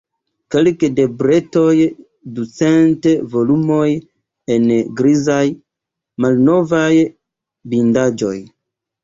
Kelke da bretoj, ducent volumoj en grizaj, malnovaj bindaĵoj.